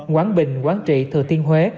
quảng bình quảng trị thừa thiên huế